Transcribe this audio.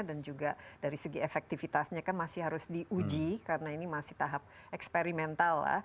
dan juga dari segi efektivitasnya kan masih harus diuji karena ini masih tahap eksperimental